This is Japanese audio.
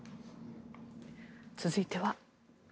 続いては。